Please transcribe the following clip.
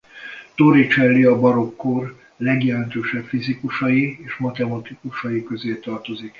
Torricelli a barokk kor legjelentősebb fizikusai és matematikusai közé tartozik.